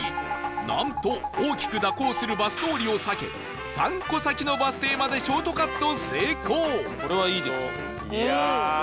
なんと大きく蛇行するバス通りを避け３個先のバス停までショートカット成功